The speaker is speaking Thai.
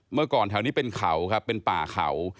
เมื่อก่อนแถวนี้เป็นเขาครับเป็นป่าเขา